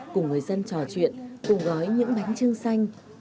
cùng người dân trò chuyện cùng gói những bánh trưng xanh